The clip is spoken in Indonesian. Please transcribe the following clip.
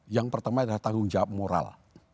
yang pertama adalah tanggung jawab moral